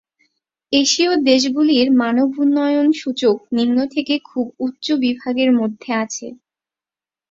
এশীয় দেশগুলির মানব উন্নয়ন সূচক নিম্ন থেকে খুব উচ্চ বিভাগের মধ্যেআছে।